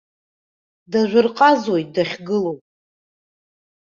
Дажәарҟазоит дахьгылоу!